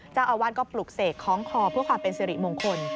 เจ้าอาวาสก็ปลุกเสกคล้องคอเพื่อความเป็นสิริมงคล